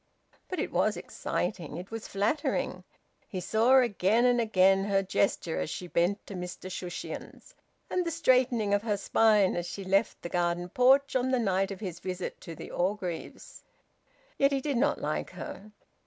But it was exciting. It was flattering. He saw again and again her gesture as she bent to Mr Shushions; and the straightening of her spine as she left the garden porch on the night of his visit to the Orgreaves... Yet he did not like her.